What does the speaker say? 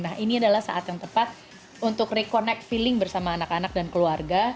nah ini adalah saat yang tepat untuk reconnect feeling bersama anak anak dan keluarga